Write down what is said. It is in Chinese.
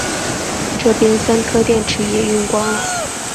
这边三颗电池也用光了